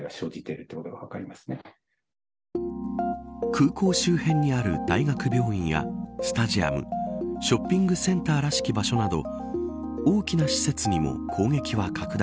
空港周辺にある大学病院やスタジアムショッピングセンターらしき場所など大きな施設にも攻撃は拡大。